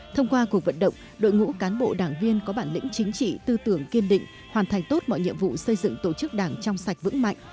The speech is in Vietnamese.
thông qua cuộc vận động đội ngũ cán bộ đảng viên có bản lĩnh chính trị tư tưởng kiên định hoàn thành tốt mọi nhiệm vụ xây dựng tổ chức đảng trong sạch vững mạnh